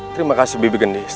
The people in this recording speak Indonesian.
terima kasih bebi gendis